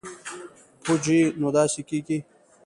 پوجي نو داسې کېږي.